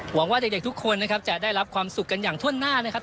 หวังว่าเด็กทุกคนจะได้รับความสุขกันอย่างถ้วนหน้า